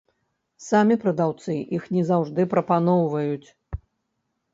Самі прадаўцы іх не заўжды прапаноўваюць.